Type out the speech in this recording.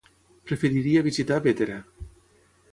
Preferiria visitar Bétera.